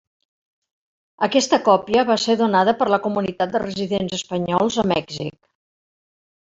Aquesta còpia va ser donada per la comunitat de residents espanyols a Mèxic.